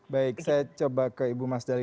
baik saya coba ke ibu mas dali